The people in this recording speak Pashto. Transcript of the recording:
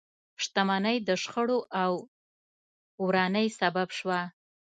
شتمنۍ د شخړو او ورانۍ سبب شوه.